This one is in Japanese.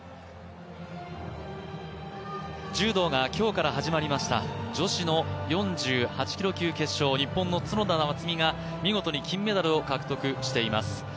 柔道が今日から始まりました、女子の４８キロ級決勝日本の角田夏実が見事に金メダルを獲得しています。